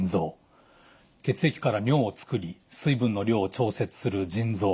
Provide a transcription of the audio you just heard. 血液から尿を作り水分の量を調節する腎臓。